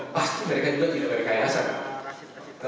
pasti mereka juga tidak berkayasan